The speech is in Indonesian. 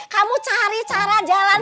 kamu cari cara jalan